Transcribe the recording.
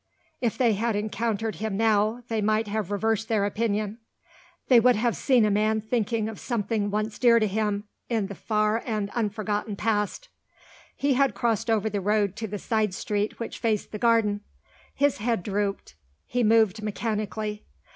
If they had encountered him now, they might have reversed their opinion. They would have seen a man thinking of something once dear to him, in the far and unforgotten past. He crossed over the road to the side street which faced the garden. His head drooped; he moved mechanically.